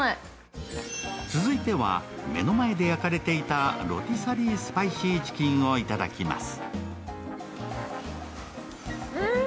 続いては、目の前で焼かれていたロティサリー・スパイシーチキンをいただきます。